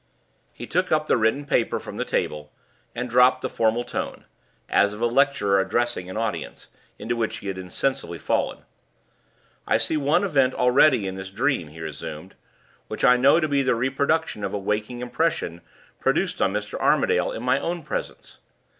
He took up the written paper from the table, and dropped the formal tone (as of a lecturer addressing an audience) into which he had insensibly fallen. "I see one event already in this dream," he resumed, "which I know to be the reproduction of a waking impression produced on Mr. Armadale in my own presence.